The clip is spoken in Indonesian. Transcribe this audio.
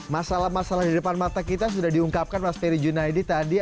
masalah masalah di depan mata kita sudah diungkapkan mas ferry junaidi tadi